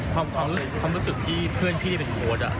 ความรู้สึกที่เพื่อนพี่เป็นโค้ด